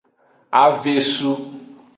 Avesu.